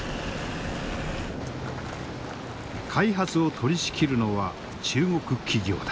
開発を取りしきるのは中国企業だ。